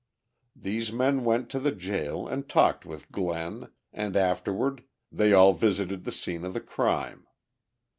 These men went to the jail and talked with Glenn, and afterward they all visited the scene of the crime.